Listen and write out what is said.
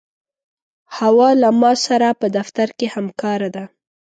حوا له ما سره په دفتر کې همکاره ده.